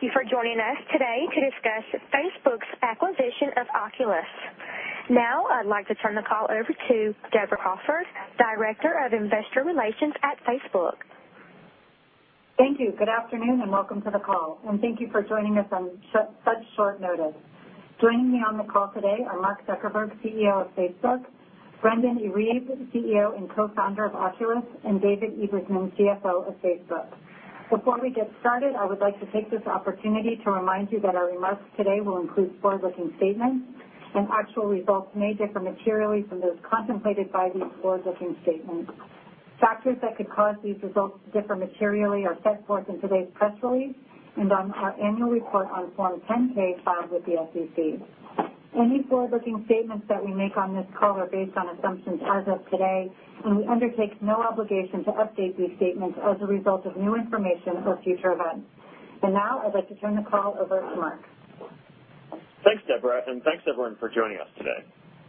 Thank you for joining us today to discuss Facebook's acquisition of Oculus. I'd like to turn the call over to Deborah Crawford, Director of Investor Relations at Facebook. Thank you. Good afternoon, welcome to the call. Thank you for joining us on such short notice. Joining me on the call today are Mark Zuckerberg, CEO of Facebook, Brendan Iribe, CEO and Co-founder of Oculus, and David Ebersman, CFO of Facebook. Before we get started, I would like to take this opportunity to remind you that our remarks today will include forward-looking statements. Actual results may differ materially from those contemplated by these forward-looking statements. Factors that could cause these results to differ materially are set forth in today's press release and on our annual report on Form 10-K filed with the SEC. Any forward-looking statements that we make on this call are based on assumptions as of today. We undertake no obligation to update these statements as a result of new information or future events. Now I'd like to turn the call over to Mark. Thanks, Deborah, thanks, everyone, for joining us today.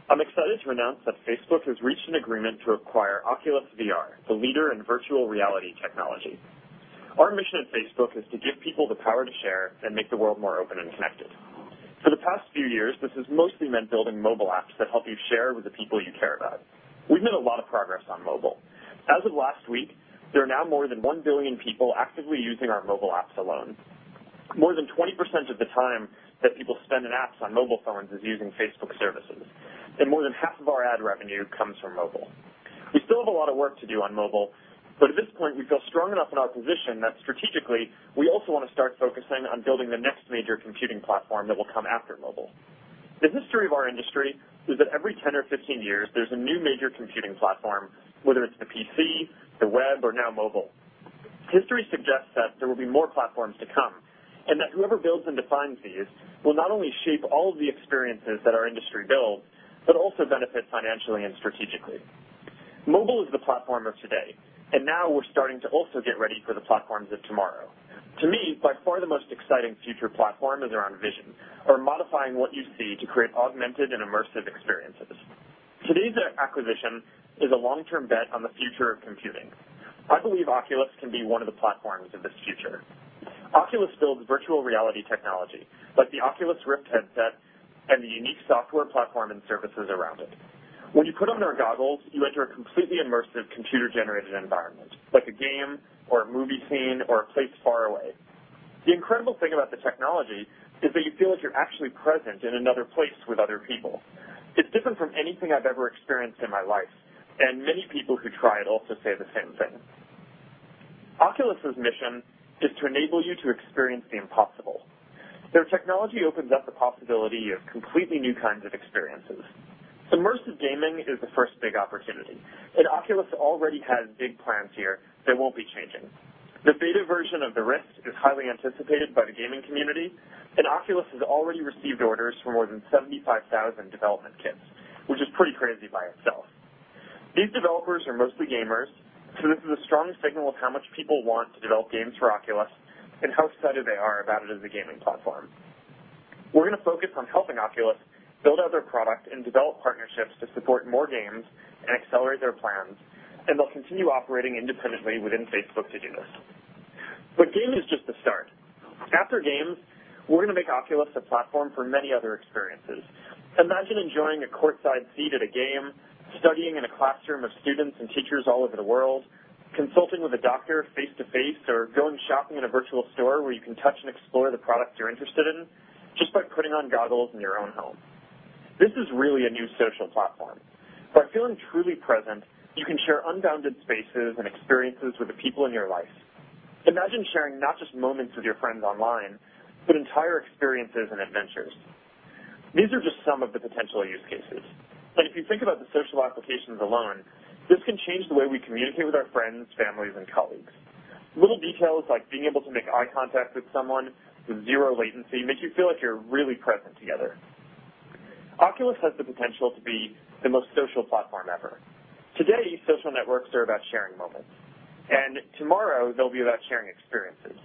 I'm excited to announce that Facebook has reached an agreement to acquire Oculus VR, the leader in virtual reality technology. Our mission at Facebook is to give people the power to share and make the world more open and connected. For the past few years, this has mostly meant building mobile apps that help you share with the people you care about. We've made a lot of progress on mobile. As of last week, there are now more than 1 billion people actively using our mobile apps alone. More than 20% of the time that people spend in apps on mobile phones is using Facebook services. More than half of our ad revenue comes from mobile. We still have a lot of work to do on mobile, at this point, we feel strong enough in our position that strategically, we also want to start focusing on building the next major computing platform that will come after mobile. The history of our industry is that every 10 or 15 years, there's a new major computing platform, whether it's the PC, the web, or now mobile. History suggests that there will be more platforms to come, that whoever builds and defines these will not only shape all of the experiences that our industry builds, but also benefit financially and strategically. Mobile is the platform of today, now we're starting to also get ready for the platforms of tomorrow. To me, by far the most exciting future platform is around vision or modifying what you see to create augmented and immersive experiences. Today's acquisition is a long-term bet on the future of computing. I believe Oculus can be one of the platforms of this future. Oculus builds virtual reality technology, like the Oculus Rift headset and the unique software platform and services around it. When you put on their goggles, you enter a completely immersive, computer-generated environment, like a game or a movie scene or a place far away. The incredible thing about the technology is that you feel like you're actually present in another place with other people. It's different from anything I've ever experienced in my life, many people who try it also say the same thing. Oculus's mission is to enable you to experience the impossible. Their technology opens up the possibility of completely new kinds of experiences. Immersive gaming is the first big opportunity, Oculus already has big plans here that won't be changing. The beta version of the Rift is highly anticipated by the gaming community, Oculus has already received orders for more than 75,000 development kits, which is pretty crazy by itself. These developers are mostly gamers, this is a strong signal of how much people want to develop games for Oculus and how excited they are about it as a gaming platform. We're going to focus on helping Oculus build out their product and develop partnerships to support more games and accelerate their plans, they'll continue operating independently within Facebook to do this. Gaming is just the start. After games, we're going to make Oculus a platform for many other experiences. Imagine enjoying a courtside seat at a game, studying in a classroom of students and teachers all over the world, consulting with a doctor face-to-face, going shopping in a virtual store where you can touch and explore the products you're interested in just by putting on goggles in your own home. This is really a new social platform. By feeling truly present, you can share unbounded spaces and experiences with the people in your life. Imagine sharing not just moments with your friends online, entire experiences and adventures. These are just some of the potential use cases, if you think about the social applications alone, this can change the way we communicate with our friends, families, and colleagues. Little details like being able to make eye contact with someone with zero latency make you feel like you're really present together. Oculus has the potential to be the most social platform ever. Today, social networks are about sharing moments. Tomorrow, they'll be about sharing experiences.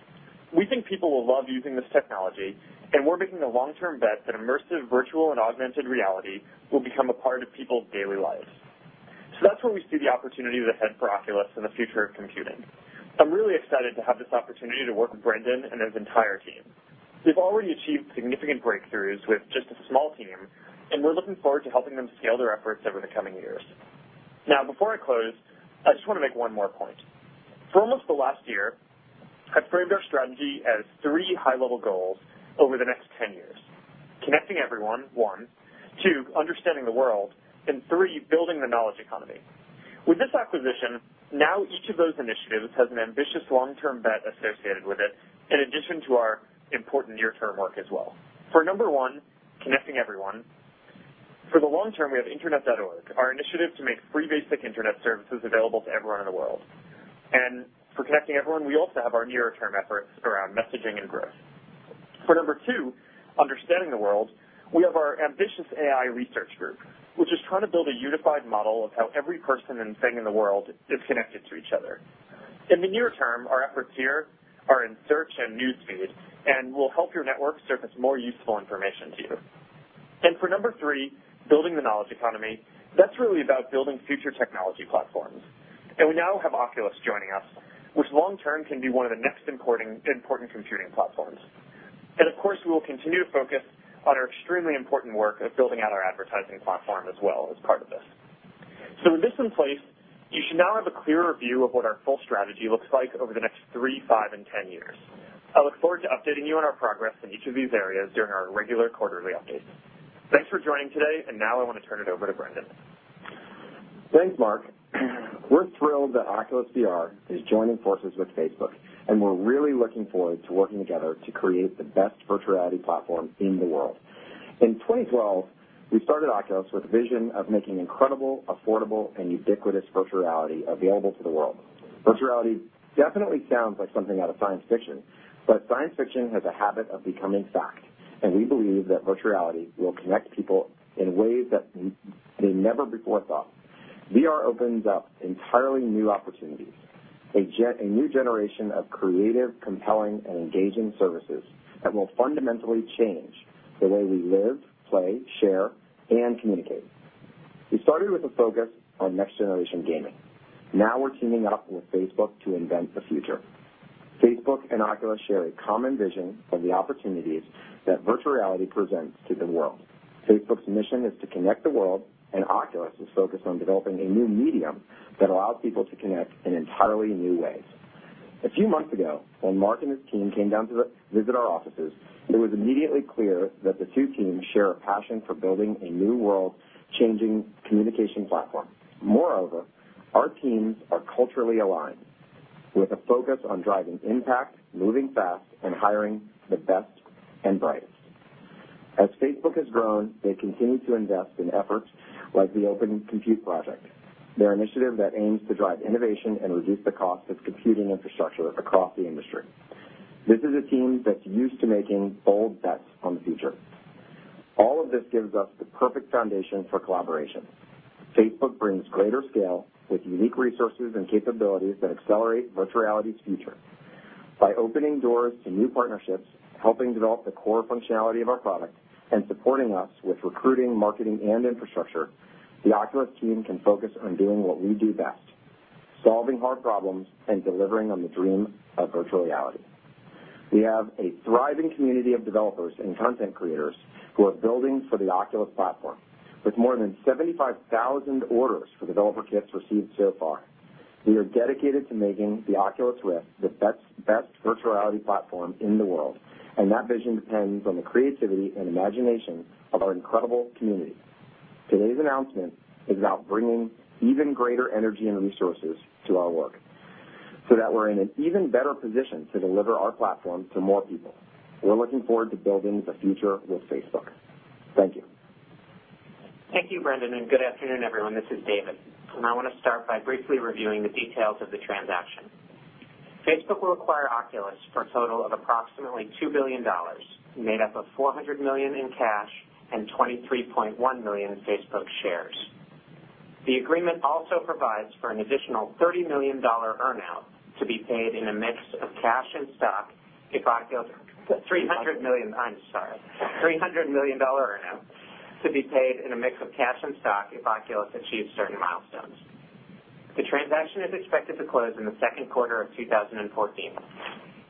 We think people will love using this technology. We're making a long-term bet that immersive virtual and augmented reality will become a part of people's daily lives. That's where we see the opportunity ahead for Oculus and the future of computing. I'm really excited to have this opportunity to work with Brendan and his entire team. They've already achieved significant breakthroughs with just a small team. We're looking forward to helping them scale their efforts over the coming years. Before I close, I just want to make one more point. For almost the last year, I've framed our strategy as three high-level goals over the next 10 years: connecting everyone, one, two, understanding the world, and three, building the knowledge economy. With this acquisition, now each of those initiatives has an ambitious long-term bet associated with it, in addition to our important near-term work as well. For number one, connecting everyone, for the long term, we have Internet.org, our initiative to make free basic Internet services available to everyone in the world. For connecting everyone, we also have our near-term efforts around messaging and growth. For number two, understanding the world, we have our ambitious AI research group, which is trying to build a unified model of how every person and thing in the world is connected to each other. In the near term, our efforts here are in Search and News Feed and will help your network surface more useful information to you. For number three, building the knowledge economy, that's really about building future technology platforms. We now have Oculus joining us, which long term can be one of the next important computing platforms. Of course, we will continue to focus on our extremely important work of building out our advertising platform as well as part of this. With this in place, you should now have a clearer view of what our full strategy looks like over the next three, five, and 10 years. I look forward to updating you on our progress in each of these areas during our regular quarterly updates. Thanks for joining today. Now I want to turn it over to Brendan. Thanks, Mark. We're thrilled that Oculus VR is joining forces with Facebook. We're really looking forward to working together to create the best virtual reality platform in the world. In 2012, we started Oculus with a vision of making incredible, affordable, and ubiquitous virtual reality available to the world. Virtual reality definitely sounds like something out of science fiction. Science fiction has a habit of becoming fact. We believe that virtual reality will connect people in ways that they never before thought. VR opens up entirely new opportunities, a new generation of creative, compelling, and engaging services that will fundamentally change the way we live, play, share, and communicate. We started with a focus on next-generation gaming. We're teaming up with Facebook to invent the future. Facebook and Oculus share a common vision of the opportunities that virtual reality presents to the world. Facebook's mission is to connect the world, and Oculus is focused on developing a new medium that allows people to connect in entirely new ways. A few months ago, when Mark and his team came down to visit our offices, it was immediately clear that the two teams share a passion for building a new world-changing communication platform. Moreover, our teams are culturally aligned with a focus on driving impact, moving fast, and hiring the best and brightest. As Facebook has grown, they continue to invest in efforts like the Open Compute Project, their initiative that aims to drive innovation and reduce the cost of computing infrastructure across the industry. This is a team that's used to making bold bets on the future. All of this gives us the perfect foundation for collaboration. Facebook brings greater scale with unique resources and capabilities that accelerate virtual reality's future. By opening doors to new partnerships, helping develop the core functionality of our product, and supporting us with recruiting, marketing, and infrastructure, the Oculus team can focus on doing what we do best: solving hard problems and delivering on the dream of virtual reality. We have a thriving community of developers and content creators who are building for the Oculus platform, with more than 75,000 orders for developer kits received so far. We are dedicated to making the Oculus Rift the best virtual reality platform in the world, and that vision depends on the creativity and imagination of our incredible community. Today's announcement is about bringing even greater energy and resources to our work so that we're in an even better position to deliver our platform to more people. We're looking forward to building the future with Facebook. Thank you. Thank you, Brendan. Good afternoon, everyone. This is David. I want to start by briefly reviewing the details of the transaction. Facebook will acquire Oculus for a total of approximately $2 billion, made up of $400 million in cash and 23.1 million Facebook shares. The agreement also provides for an additional $30 million earn-out to be paid in a mix of cash and stock, $300 million, I'm sorry, $300 million earn-out to be paid in a mix of cash and stock if Oculus achieves certain milestones. The transaction is expected to close in the second quarter of 2014.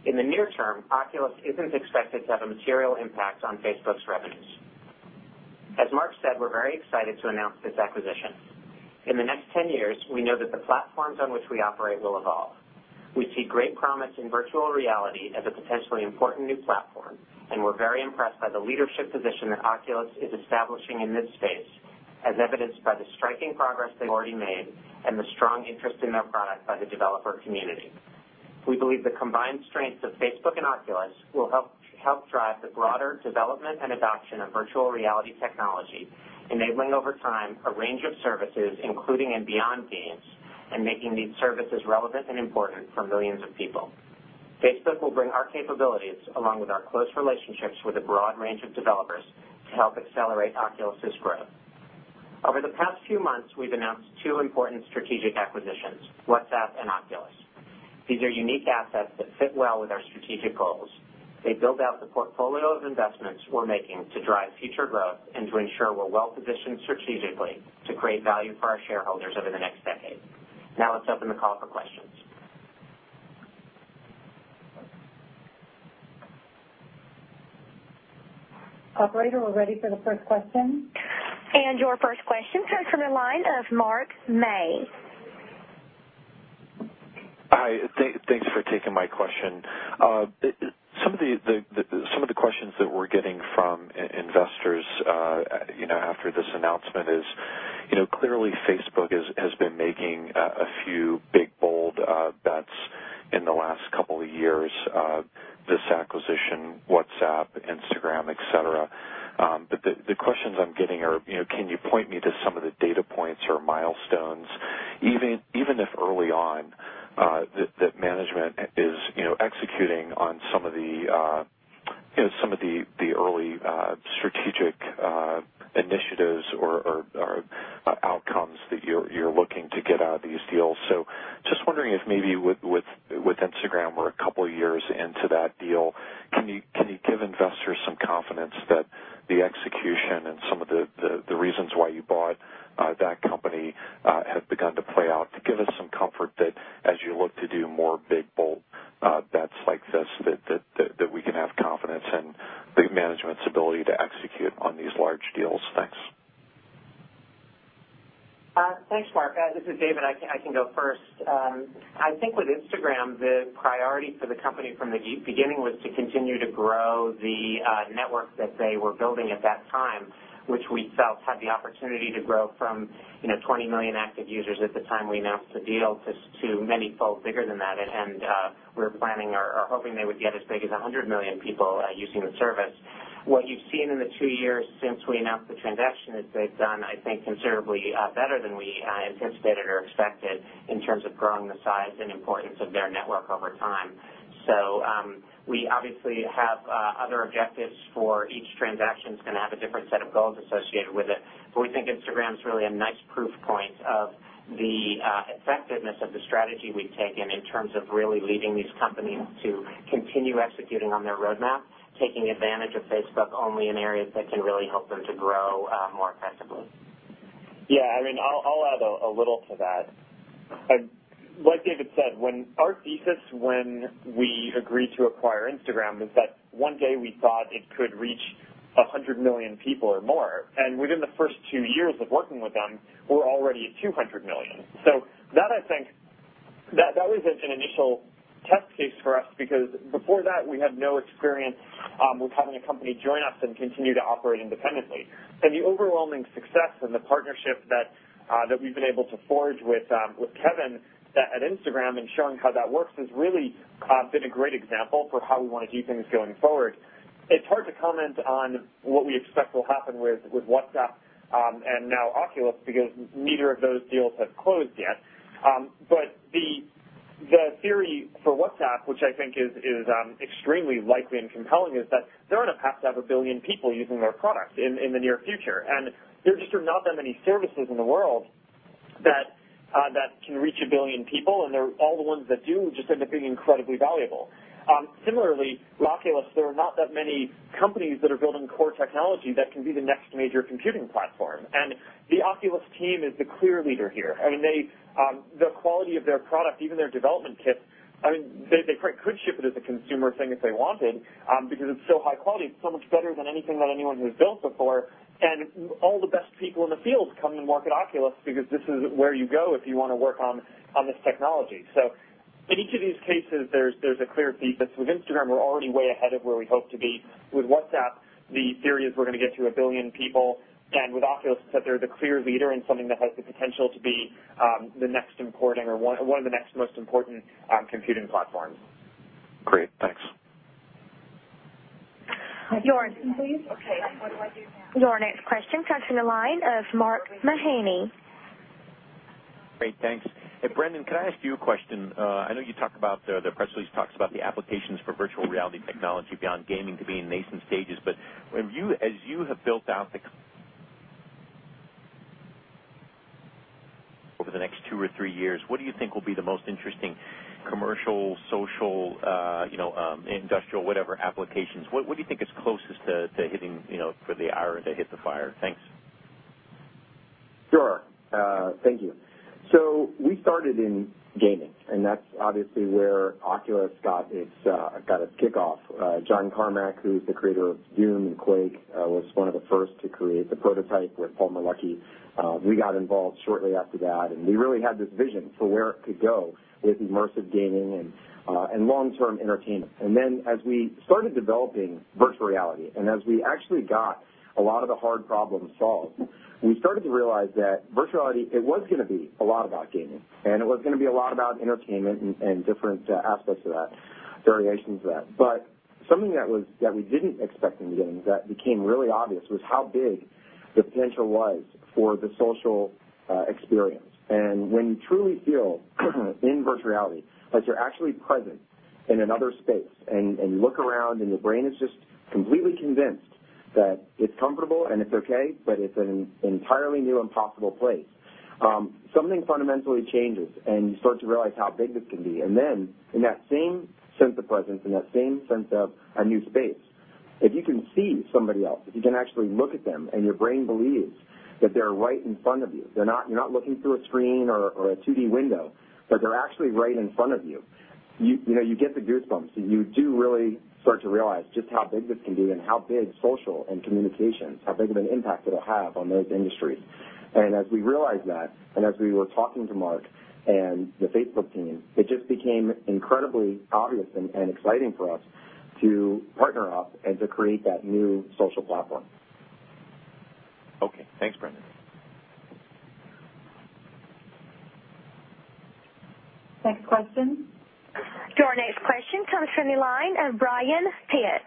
In the near term, Oculus isn't expected to have a material impact on Facebook's revenues. As Mark said, we're very excited to announce this acquisition. In the next 10 years, we know that the platforms on which we operate will evolve. We see great promise in virtual reality as a potentially important new platform, and we're very impressed by the leadership position that Oculus is establishing in this space, as evidenced by the striking progress they've already made and the strong interest in their product by the developer community. We believe the combined strengths of Facebook and Oculus will help drive the broader development and adoption of virtual reality technology, enabling over time a range of services, including and beyond games, and making these services relevant and important for millions of people. Facebook will bring our capabilities, along with our close relationships with a broad range of developers, to help accelerate Oculus's growth. Over the past few months, we've announced two important strategic acquisitions, WhatsApp and Oculus. These are unique assets that fit well with our strategic goals. They build out the portfolio of investments we're making to drive future growth and to ensure we're well-positioned strategically to create value for our shareholders over the next decade. Now let's open the call for questions. Operator, we're ready for the first question. Your first question comes from the line of Mark May. Hi. Thanks for taking my question. Some of the questions that we're getting from investors after this announcement is, clearly Facebook has been making a few big, bold bets in the last couple of years, this acquisition, WhatsApp, Instagram, et cetera. The questions I'm getting are, can you point me to some of the data points or milestones, even if early on, that management is executing on some of the early strategic initiatives or outcomes that you're looking to get out of these deals. Just wondering if maybe with Instagram, we're a couple of years into that deal, can you give investors some confidence that the execution and some of the reasons why you bought that company have begun to play out, to give us some comfort that as you look to do more big bold bets like this, that we can have confidence in big management's ability to execute on these large deals? Thanks. Thanks, Mark. This is David. I can go first. I think with Instagram, the priority for the company from the beginning was to continue to grow the network that they were building at that time, which we felt had the opportunity to grow from 20 million active users at the time we announced the deal to manyfold bigger than that. We were planning or hoping they would get as big as 100 million people using the service. What you've seen in the two years since we announced the transaction is they've done, I think, considerably better than we anticipated or expected in terms of growing the size and importance of their network over time. We obviously have other objectives, for each transaction's going to have a different set of goals associated with it. We think Instagram's really a nice proof point of the effectiveness of the strategy we've taken in terms of really leading these companies to continue executing on their roadmap, taking advantage of Facebook only in areas that can really help them to grow more effectively. Yeah, I'll add a little to that. Like David said, our thesis when we agreed to acquire Instagram was that one day we thought it could reach 100 million people or more. Within the first two years of working with them, we're already at 200 million. That was an initial test case for us because, before that, we had no experience with having a company join us and continue to operate independently. The overwhelming success and the partnership that we've been able to forge with Kevin at Instagram and showing how that works has really been a great example for how we want to do things going forward. It's hard to comment on what we expect will happen with WhatsApp, and now Oculus, because neither of those deals have closed yet. The theory for WhatsApp, which I think is extremely likely and compelling, is that they're on a path to have a billion people using their product in the near future. There just are not that many services in the world that can reach a billion people, and all the ones that do just end up being incredibly valuable. Similarly with Oculus, there are not that many companies that are building core technology that can be the next major computing platform. The Oculus team is the clear leader here. The quality of their product, even their development kit, they could ship it as a consumer thing if they wanted because it's so high quality. It's so much better than anything that anyone has built before. All the best people in the field come and work at Oculus because this is where you go if you want to work on this technology. In each of these cases, there's a clear thesis. With Instagram, we're already way ahead of where we hope to be. With WhatsApp, the theory is we're going to get to a billion people. With Oculus, that they're the clear leader in something that has the potential to be one of the next most important computing platforms. Great. Thanks. Your next question comes from the line of Mark Mahaney. Great. Thanks. Hey, Brendan, can I ask you a question? I know the press release talks about the applications for virtual reality technology beyond gaming to be in nascent stages, but as you have built out the over the next two or three years, what do you think will be the most interesting commercial, social, industrial, whatever applications? What do you think is closest to hitting for the hour to hit the fire? Thanks. Sure. Thank you. We started in gaming, and that's obviously where Oculus got its kickoff. John Carmack, who's the creator of "Doom" and "Quake," was one of the first to create the prototype with Palmer Luckey. We got involved shortly after that, and we really had this vision for where it could go with immersive gaming and long-term entertainment. As we started developing virtual reality, and as we actually got a lot of the hard problems solved, we started to realize that virtual reality, it was going to be a lot about gaming. It was going to be a lot about entertainment and different aspects of that, variations of that. Something that we didn't expect in the beginning that became really obvious was how big the potential was for the social experience. When you truly feel in virtual reality that you're actually present in another space, and you look around and your brain is just completely convinced that it's comfortable and it's okay, but it's an entirely new impossible place, something fundamentally changes, and you start to realize how big this can be. In that same sense of presence, in that same sense of a new space, if you can see somebody else, if you can actually look at them and your brain believes that they're right in front of you're not looking through a screen or a 2D window, but they're actually right in front of you get the goosebumps, and you do really start to realize just how big this can be and how big social and communications, how big of an impact it'll have on those industries. As we realized that, and as we were talking to Mark and the Facebook team, it just became incredibly obvious and exciting for us to partner up and to create that new social platform. Okay. Thanks, Brendan. Next question. Your next question comes from the line of Brian Pitz.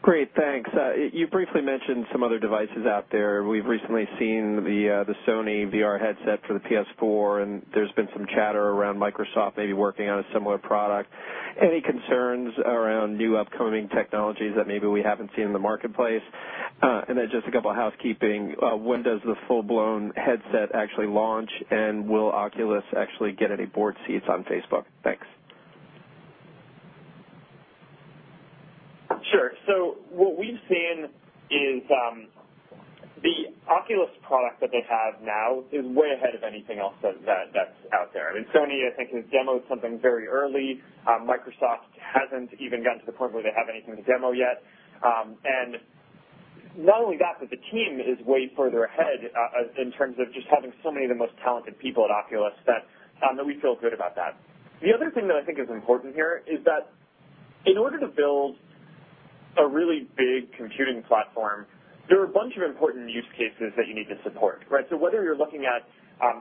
Great. Thanks. You briefly mentioned some other devices out there. We've recently seen the Sony VR headset for the PS4, and there's been some chatter around Microsoft maybe working on a similar product. Any concerns around new upcoming technologies that maybe we haven't seen in the marketplace? Just a couple of housekeeping. When does the full-blown headset actually launch, and will Oculus actually get any board seats on Facebook? Thanks. What we've seen is the Oculus product that they have now is way ahead of anything else that's out there. Sony, I think, has demoed something very early. Microsoft hasn't even gotten to the point where they have anything to demo yet. Not only that, but the team is way further ahead, in terms of just having so many of the most talented people at Oculus, that we feel good about that. The other thing that I think is important here is that in order to build a really big computing platform, there are a bunch of important use cases that you need to support, right? Whether you're looking at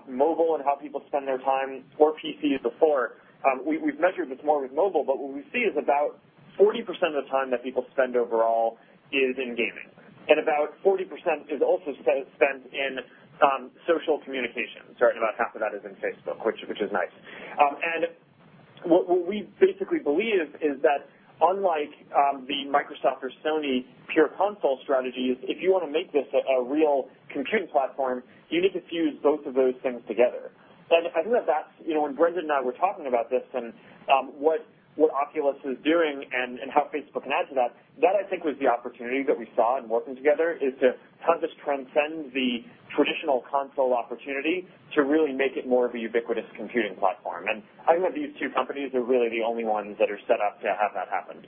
mobile and how people spend their time, or PCs before, we've measured this more with mobile, but what we see is about 40% of the time that people spend overall is in gaming, and about 40% is also spent in social communication. Certainly, about half of that is in Facebook, which is nice. What we basically believe is that unlike the Microsoft or Sony pure console strategies, if you want to make this a real computing platform, you need to fuse both of those things together. When Brendan and I were talking about this and what Oculus is doing and how Facebook can add to that I think was the opportunity that we saw in working together, is to kind of just transcend the traditional console opportunity to really make it more of a ubiquitous computing platform. I think that these two companies are really the only ones that are set up to have that happen.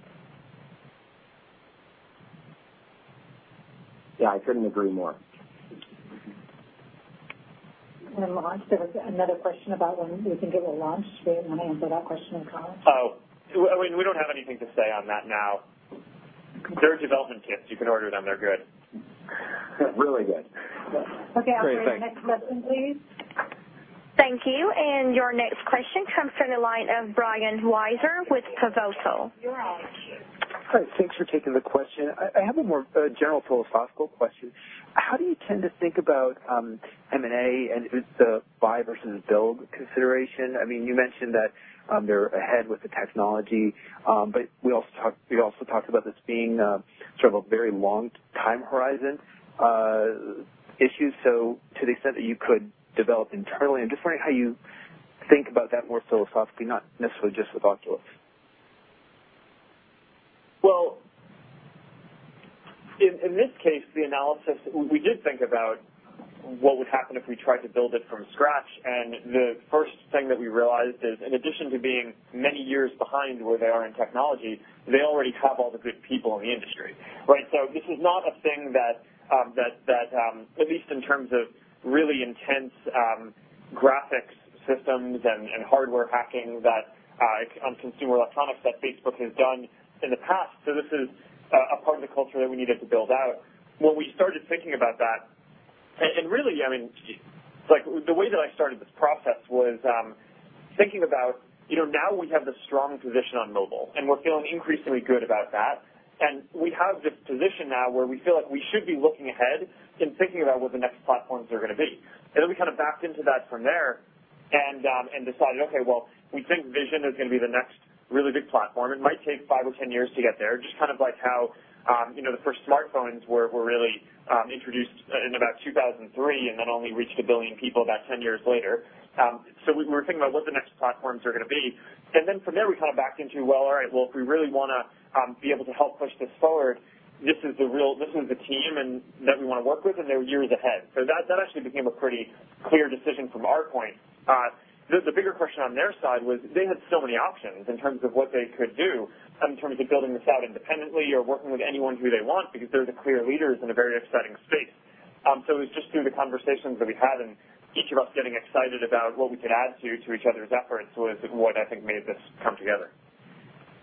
Yeah, I couldn't agree more. launch, there was another question about when we can get a launch date. Do you want to answer that question on the call? We don't have anything to say on that now. They're development kits. You can order them. They're good. Really good. Okay. Great. Thanks. I'll go to the next question, please. Thank you. Your next question comes from the line of Brian Wieser with Pivotal. Hi. Thanks for taking the question. I have a more general philosophical question. How do you tend to think about M&A and the buy versus build consideration? You mentioned that they're ahead with the technology, but we also talked about this being sort of a very long time horizon issue. To the extent that you could develop internally, I'm just wondering how you think about that more philosophically, not necessarily just with Oculus. Well, in this case, we did think about what would happen if we tried to build it from scratch, and the first thing that we realized is, in addition to being many years behind where they are in technology, they already have all the good people in the industry, right? This is not a thing that, at least in terms of really intense graphics systems and hardware hacking on consumer electronics that Facebook has done in the past. This is a part of the culture that we needed to build out. We started thinking about that, really, the way that I started this process was thinking about now we have this strong position on mobile, we're feeling increasingly good about that, we have this position now where we feel like we should be looking ahead and thinking about what the next platforms are going to be. We kind of backed into that from there and decided, okay, well, we think vision is going to be the next really big platform. It might take 5 or 10 years to get there, just like how the first smartphones were really introduced in about 2003 and then only reached 1 billion people about 10 years later. We were thinking about what the next platforms are going to be. From there, we kind of backed into, well, all right. If we really want to be able to help push this forward, this is the team that we want to work with, they're years ahead. That actually became a pretty clear decision from our point. The bigger question on their side was they had so many options in terms of what they could do, in terms of building this out independently or working with anyone who they want because they're the clear leaders in a very exciting space. It was just through the conversations that we had each of us getting excited about what we could add to each other's efforts was what I think made this come together.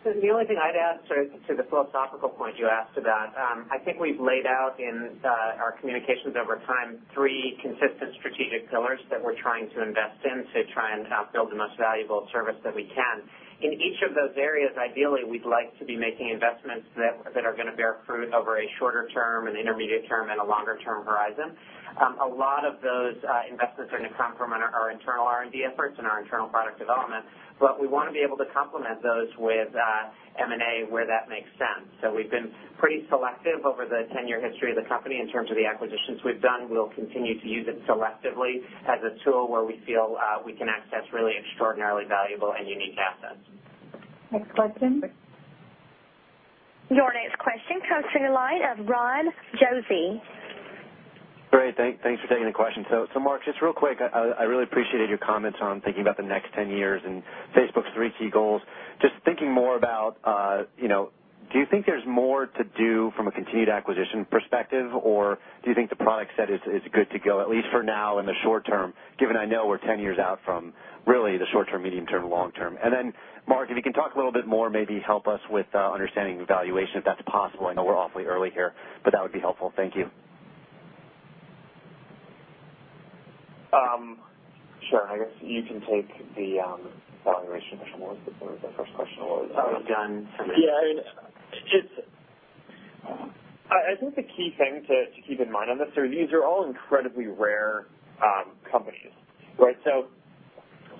The only thing I'd add to the philosophical point you asked to that, I think we've laid out in our communications over time 3 consistent strategic pillars that we're trying to invest in to try and build the most valuable service that we can. In each of those areas, ideally, we'd like to be making investments that are going to bear fruit over a shorter term, an intermediate term, a longer-term horizon. A lot of those investments are going to come from our internal R&D efforts and our internal product development, we want to be able to complement those with M&A where that makes sense. We've been pretty selective over the 10-year history of the company in terms of the acquisitions we've done. We'll continue to use it selectively as a tool where we feel we can access really extraordinarily valuable and unique assets. Next question. Your next question comes from the line of Ron Josey. Great. Thanks for taking the question. Mark, just real quick, I really appreciated your comments on thinking about the next 10 years and Facebook's three key goals. Just thinking more about, do you think there's more to do from a continued acquisition perspective, or do you think the product set is good to go, at least for now in the short term, given I know we're 10 years out from really the short term, medium term, long term? Mark, if you can talk a little bit more, maybe help us with understanding the valuation, if that's possible. I know we're awfully early here, but that would be helpful. Thank you. Sure. I guess you can take the valuation question, since the first question. I was done. Yeah. I think the key thing to keep in mind on this are these are all incredibly rare combinations, right?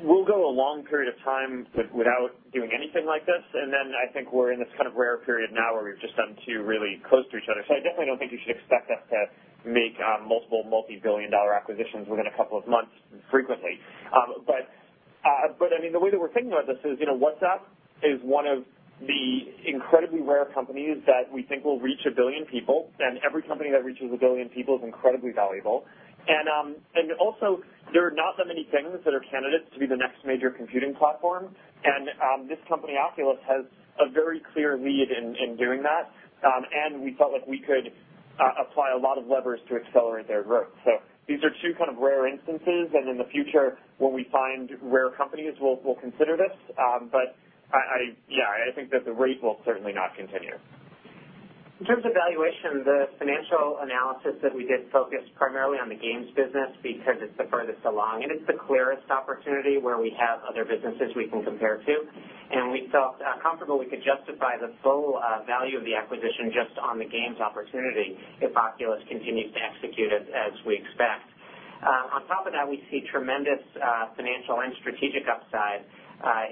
We'll go a long period of time without doing anything like this, then I think we're in this kind of rare period now where we've just done two really close to each other. I definitely don't think you should expect us to make multiple multi-billion-dollar acquisitions within a couple of months frequently. But the way that we're thinking about this is WhatsApp is one of the incredibly rare companies that we think will reach a billion people, and every company that reaches a billion people is incredibly valuable. Also, there are not that many things that are candidates to be the next major computing platform. This company, Oculus, has a very clear lead in doing that. We felt like we could apply a lot of levers to accelerate their growth. These are two rare instances, in the future, when we find rare companies, we'll consider this. I think that the rate will certainly not continue. In terms of valuation, the financial analysis that we did focused primarily on the games business because it's the furthest along, and it's the clearest opportunity where we have other businesses we can compare to. We felt comfortable we could justify the full value of the acquisition just on the games opportunity if Oculus continues to execute as we expect. On top of that, we see tremendous financial and strategic upside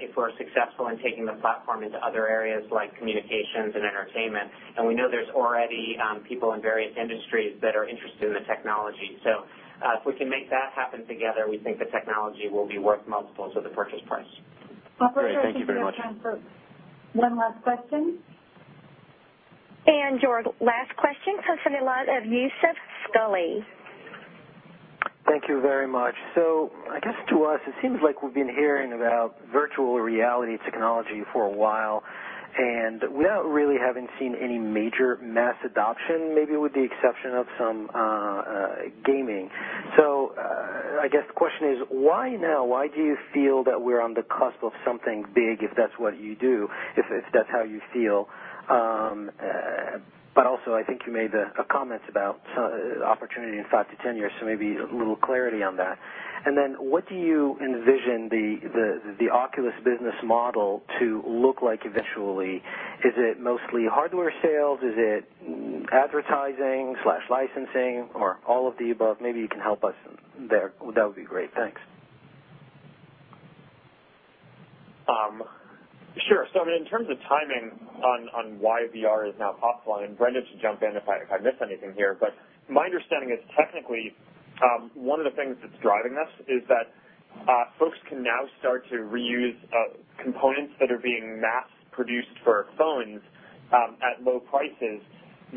if we're successful in taking the platform into other areas like communications and entertainment. We know there's already people in various industries that are interested in the technology. If we can make that happen together, we think the technology will be worth multiples of the purchase price. Great. Thank you very much. Operator, I think we have time for one last question. Your last question comes from the line of Youssef Squali. Thank you very much. I guess to us, it seems like we've been hearing about virtual reality technology for a while, and we really haven't seen any major mass adoption, maybe with the exception of some gaming. I guess the question is why now? Why do you feel that we're on the cusp of something big, if that's what you do, if that's how you feel? Also, I think you made a comment about opportunity in five to 10 years, so maybe a little clarity on that. Then what do you envision the Oculus business model to look like eventually? Is it mostly hardware sales? Is it advertising/licensing or all of the above? Maybe you can help us there. That would be great. Thanks. Sure. In terms of timing on why VR is now possible, and Brendan should jump in if I miss anything here, my understanding is technically, one of the things that's driving this is that folks can now start to reuse components that are being mass-produced for phones at low prices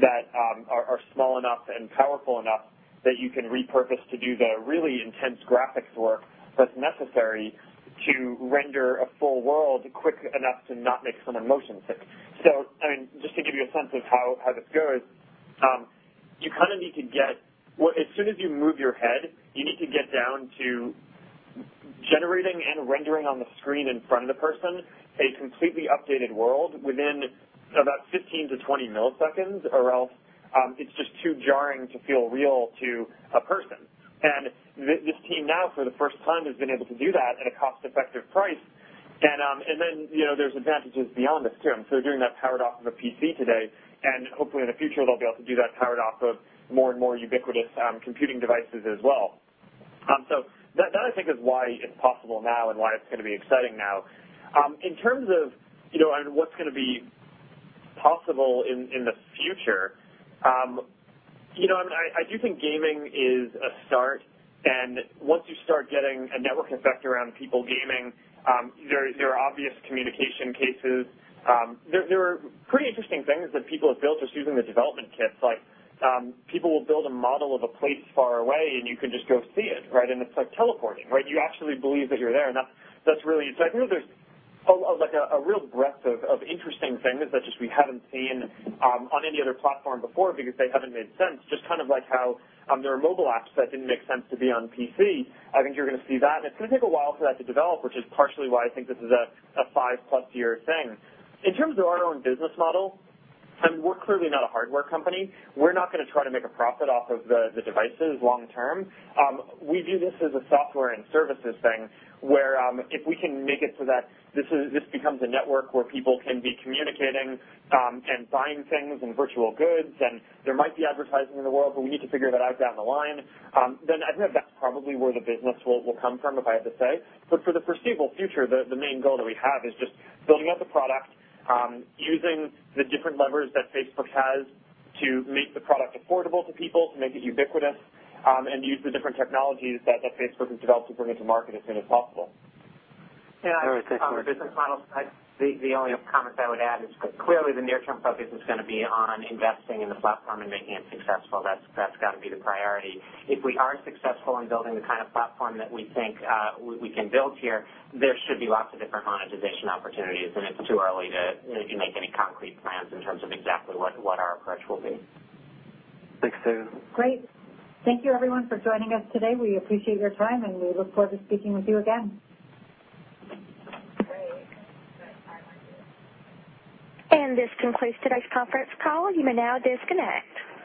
that are small enough and powerful enough that you can repurpose to do the really intense graphics work that's necessary to render a full world quick enough to not make someone motion sick. Just to give you a sense of how this goes, as soon as you move your head, you need to get down to generating and rendering on the screen in front of the person a completely updated world within about 15 to 20 milliseconds, or else it's just too jarring to feel real to a person. This team now, for the first time, has been able to do that at a cost-effective price. There's advantages beyond this, too. Doing that powered off of a PC today, and hopefully in the future, they'll be able to do that powered off of more and more ubiquitous computing devices as well. That, I think, is why it's possible now and why it's going to be exciting now. In terms of what's going to be possible in the future, I do think gaming is a start. Once you start getting a network effect around people gaming, there are obvious communication cases. There are pretty interesting things that people have built just using the development kit. People will build a model of a place far away, and you can just go see it. It's like teleporting. You actually believe that you're there. That's really exciting. There's a real breadth of interesting things that just we haven't seen on any other platform before because they haven't made sense, just like how there are mobile apps that didn't make sense to be on PC. I think you're going to see that, and it's going to take a while for that to develop, which is partially why I think this is a 5-plus-year thing. In terms of our own business model, we're clearly not a hardware company. We're not going to try to make a profit off of the devices long term. We view this as a software and services thing, where if we can make it so that this becomes a network where people can be communicating and buying things and virtual goods. There might be advertising in the world, but we need to figure that out down the line. I think that's probably where the business will come from, if I had to say. For the foreseeable future, the main goal that we have is just building out the product, using the different levers that Facebook has to make the product affordable to people, to make it ubiquitous, use the different technologies that Facebook has developed to bring it to market as soon as possible. All right. Thanks very much. On the business model side, the only comment I would add is clearly the near-term focus is going to be on investing in the platform and making it successful. That's got to be the priority. If we are successful in building the kind of platform that we think we can build here, there should be lots of different monetization opportunities, it's too early to make any concrete plans in terms of exactly what our approach will be. Thank you. Great. Thank you, everyone, for joining us today. We appreciate your time, we look forward to speaking with you again. This concludes today's conference call. You may now disconnect.